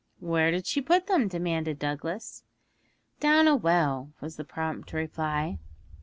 'Where did she put them?' demanded Douglas. 'Down a well,' was the prompt reply.